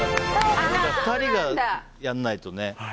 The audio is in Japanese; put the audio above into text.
２人がやらないとね。